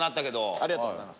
ありがとうございます。